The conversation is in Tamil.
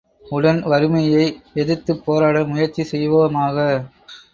உடன் வறுமையை எதிர்த்துப் போராட முயற்சி செய்வோமாக!